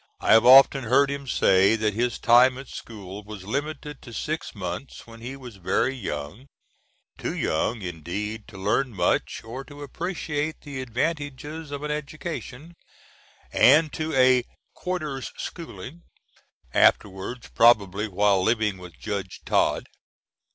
I have often heard him say that his time at school was limited to six months, when he was very young, too young, indeed, to learn much, or to appreciate the advantages of an education, and to a "quarter's schooling" afterwards, probably while living with judge Tod.